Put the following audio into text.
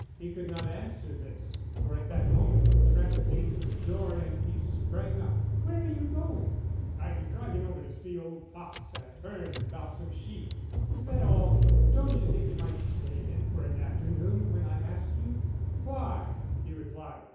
He could not answer this, for at that moment the trap came to the door and he sprang up. "Where are you going?" "I'm driving over to see old Potts at Herne about some sheep." "Is that all? Don't you think you might stay in for an afternoon when I ask you?" "Why?" he replied.